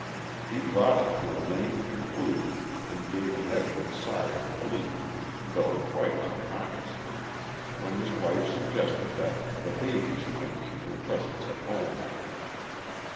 He brought it to a lame conclusion, and gave an evident sigh of relief, though quite unconsciously, when his wife suggested that "the babies might need her presence at home."